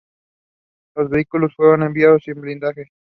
Los vehículos fueron enviados sin blindaje.